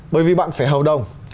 bởi vì bạn phải hầu đồng